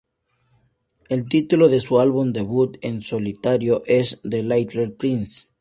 El título de su álbum debut en solitario es "The Little Prince".